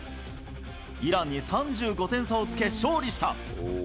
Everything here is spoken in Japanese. イランに３５点差をつけ勝利した。